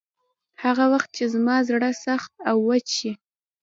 هغه وخت چې زما زړه سخت او وچ شي.